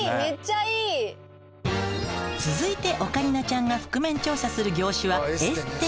続いてオカリナちゃんが覆面調査する業種はエステ。